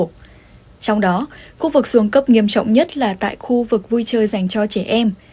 trong đó khu vực xuống cấp nghiêm trọng nhất là tại khu vực vui chơi dành cho trẻ em